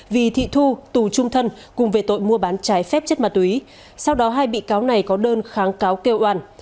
vì thị thu tù trung thân cùng về tội mua bán trái phép chất ma túy sau đó hai bị cáo này có đơn kháng cáo kêu oan